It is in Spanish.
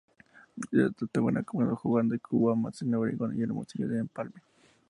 La temporada comenzó jugando Guaymas en Obregón y Hermosillo en Empalme.